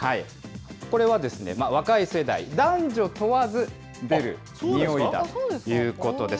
これは若い世代、男女問わず出るにおいだということです。